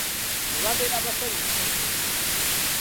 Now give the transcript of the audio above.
Ne babeera basanyufu.